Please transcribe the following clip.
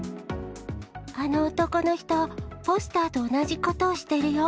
あの男の人、ポスターと同じことをしてるよ。